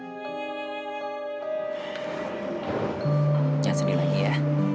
jangan sedih lagi ya